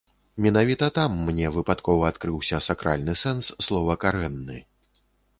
Менавіта там мне выпадкова адкрыўся сакральны сэнс слова карэнны.